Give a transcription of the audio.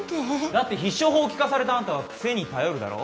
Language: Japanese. だって必勝法を聞かされたあんたは癖に頼るだろ。